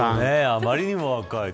あまりにも若い。